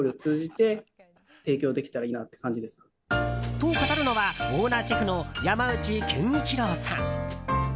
と、語るのはオーナーシェフの山内賢一郎さん。